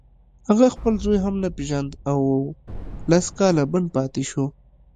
هغه خپل زوی هم نه پېژانده او لس کاله بند پاتې شو